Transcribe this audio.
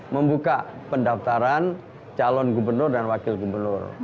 membuka pendaftaran calon gubernur dan wakil gubernur